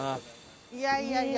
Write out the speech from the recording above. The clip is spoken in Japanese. いやいやいや。